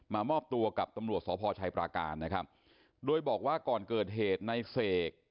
มอบตัวกับตำรวจสพชัยปราการนะครับโดยบอกว่าก่อนเกิดเหตุในเสก